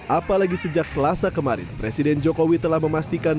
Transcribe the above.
apalagi sejak selasa kemarin presiden jokowi telah memastikan